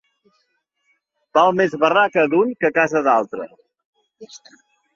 Val més barraca d'un que casa d'altre.